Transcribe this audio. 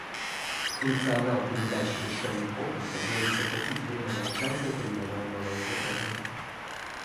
Функционал передачи бесшовных окон позволит сократить время на сжатие передаваемого изображения